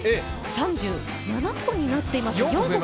３７個になっています。